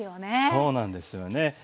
そうなんですよね。